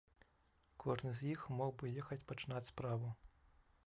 Кожны з іх мог бы ехаць пачынаць справу.